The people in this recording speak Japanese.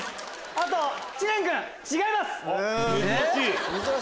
あと知念君違います。